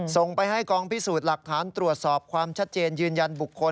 ส่งไปให้กองพิสูจน์หลักฐานตรวจสอบความชัดเจนยืนยันบุคคล